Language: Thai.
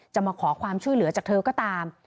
มาขอความช่วยเหลือจากเธอก็ตาม